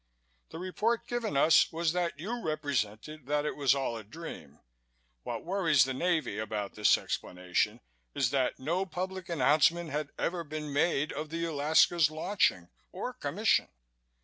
The report given us was that you represented that it was all a dream. What worries the Navy about this explanation is that no public announcement had ever been made of the Alaska's launching or commission.